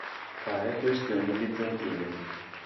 Fare questioni bizantine.